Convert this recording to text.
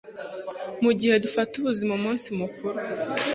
mugihe dufata ubuzima umunsi kumunsi